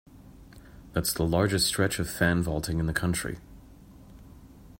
That's the largest stretch of fan vaulting in the country.